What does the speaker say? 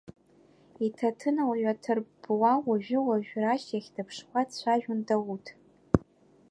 Иҭаҭын лҩа ҭырббуа уажәы-уажәы Рашь иахь дыԥшуа дцәажәон Дауҭ.